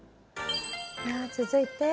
続いて。